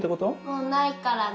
もうないからね。